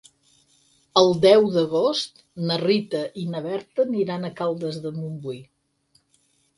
El deu d'agost na Rita i na Berta aniran a Caldes de Montbui.